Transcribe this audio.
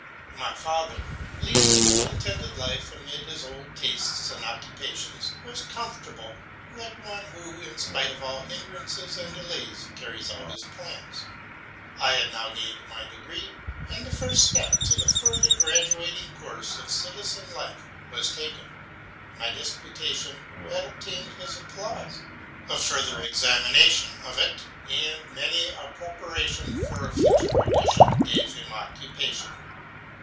My father, leading a contented life amid his old tastes and occupations, was com fortable, like one, who, in spite of all hinderances and delays, carries out his plans. I had now gained my degree, and the first step to the further graduating course of citizen life was taken. My '' Disputation '' had obtained his applause : a fur ther examination of it, and many a preparation for a future edition, gave him occupation.